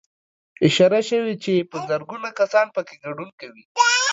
اشاره شوې چې په زرګونه کسان پکې ګډون کوي